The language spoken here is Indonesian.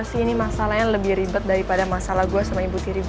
gue sih ini masalahnya lebih ribet daripada masalah gue sama ibu tiri gue ya